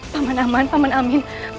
peman aman peman amin